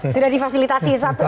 sudah difasilitasi satu